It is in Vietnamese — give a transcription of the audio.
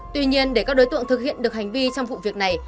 tuy nhiên để các đối tượng thực hiện được hành vi trong vụ việc này